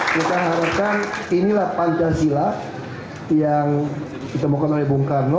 kita harapkan inilah pancasila yang ditemukan oleh bung karno